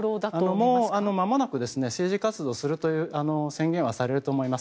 もうまもなく政治活動をするという宣言はされると思います。